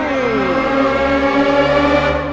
เท่าไหร่ครับ